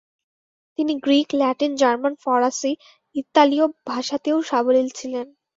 তিনি Greek, Latin, German, ফরাসি, ইতালীয় ভাষাতেও সাবলীল ছিলেন।